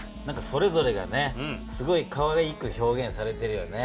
それぞれがすごいかわいく表現されてるよね。